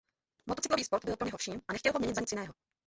Motocyklový sport byl pro něho vším a nechtěl ho měnit za nic jiného.